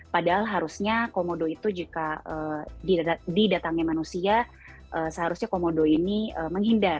padahal harusnya komodo itu jika didatangi manusia seharusnya komodo ini menghindar